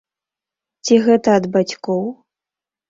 Ці гэта ад бацькоў?